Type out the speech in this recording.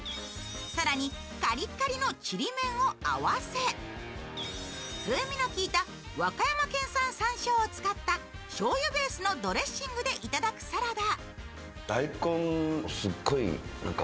更にカリカリのちりめんを合わせ、風味の効いた和歌山県産さんしょうを使ったしょうゆベースのドレッシングでいただくサラダ。